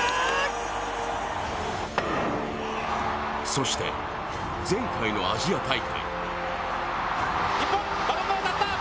そして、前回のアジア大会。